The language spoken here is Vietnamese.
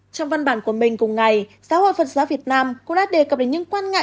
trong văn bản của mình cùng ngày giáo hội phật giáo việt nam cũng đã đề cập đến những quan ngại